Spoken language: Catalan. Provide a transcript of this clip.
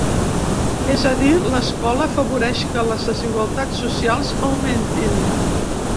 És a dir, l'escola afavoreix que les desigualtats socials augmentin.